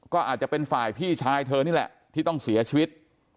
ก็อาจจะเป็นฝ่ายพี่ชายเธอนี่แหละที่ต้องเสียชีวิต